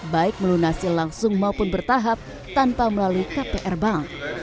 baik melunasi langsung maupun bertahap tanpa melalui kpr bank